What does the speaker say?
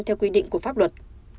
theo quy định của pháp luật